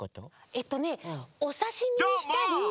えっとねおさしみにしたり。